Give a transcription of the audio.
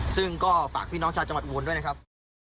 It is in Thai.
ซึ่งก็ฝากพี่น้องชาวจังหวัดอุบลด้วยนะครับ